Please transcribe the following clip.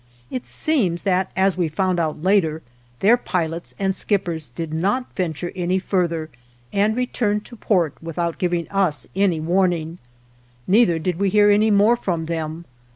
It seems that, as we found out later, their pilots and skip pers did not venture any further, and re turned to port without giving us any warn ing; neither did we hear any more from them.